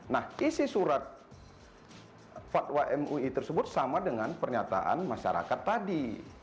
nah isi surat fatwa mui tersebut sama dengan pernyataan masyarakat tadi